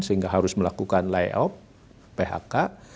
sehingga harus melakukan lay out phk